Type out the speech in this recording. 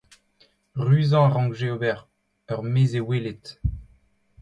Ruzañ a rankje ober. Ur mezh-e-welet !